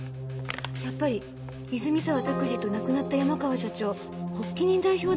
やっぱり泉沢卓司と亡くなった山川社長発起人代表だ。